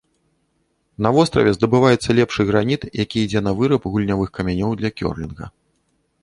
На востраве здабываецца лепшы граніт, які ідзе на выраб гульнявых камянёў для кёрлінга.